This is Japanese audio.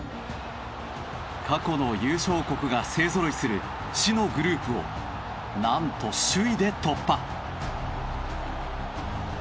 過去の優勝国が勢ぞろいする死のグループをなんと首位で突破。